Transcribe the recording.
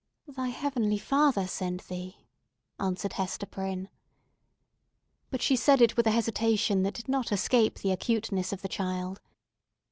"Thy Heavenly Father sent thee!" answered Hester Prynne. But she said it with a hesitation that did not escape the acuteness of the child.